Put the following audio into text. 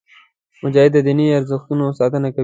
مجاهد د دیني ارزښتونو ساتنه کوي.